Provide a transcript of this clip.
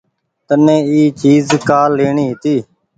تني اي چيز ڪآ ليڻي هيتي۔